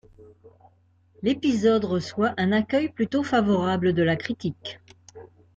L'épisode reçoit un accueil plutôt favorable de la critique.